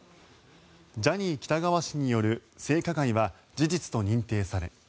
ジャニー喜多川氏による性加害は事実と認定され